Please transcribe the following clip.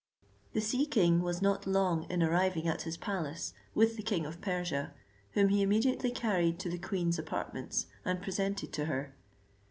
The sea king was not long in arriving at his palace, with the king of Persia, whom he immediately carried to the queen's apartments, and presented to her.